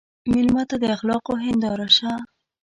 مېلمه ته د اخلاقو هنداره شه.